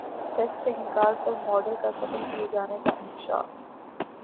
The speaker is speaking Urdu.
سیکس سے انکار پر ماڈل کا قتل کیے جانے کا انکشاف